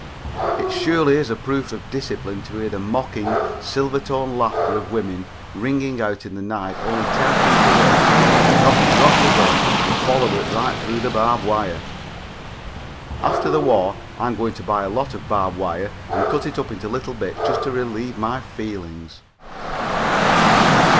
It surely is a proof of discipline to hear the mocking, silver toned laughter of women ring out in the night only ten feet away and not drop your gun and follow it right through the barbed wire. After the war, I am going to buy lots of barbed wire and cut it up into little bits just to relieve my feelings.